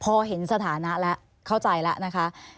พอเห็นสถานะแล้วเข้าใจแล้วนะคะ